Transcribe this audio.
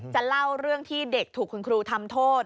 จะเล่าเรื่องที่เด็กถูกคุณครูทำโทษ